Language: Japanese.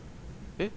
えっ？